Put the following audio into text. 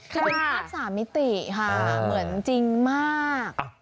คุณครับสามมิติค่ะเหมือนจริงมาก